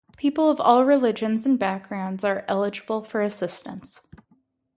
People of all religions and backgrounds are eligible for assistance.